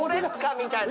みたいな。